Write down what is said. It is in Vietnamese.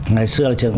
ngày xưa là trường